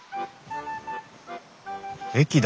駅だ。